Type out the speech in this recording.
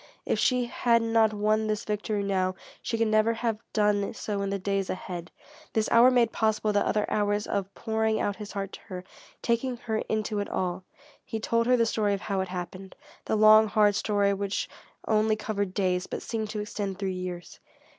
If she had not won this victory now, she could never have done so in the days ahead. This hour made possible the other hours of pouring out his heart to her, taking her into it all. He told her the story of how it happened, the long, hard story which only covered days, but seemed to extend through years.